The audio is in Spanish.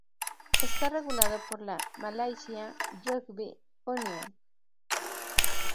Está regulado por la "Malaysia Rugby Union".